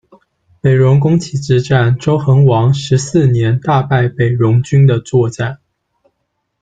北戎攻齐之战，周桓王十四年大败北戎军的作战。